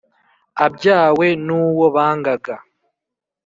abyawe n`uwo bangaga